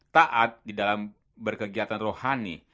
taat di dalam berkegiatan rohani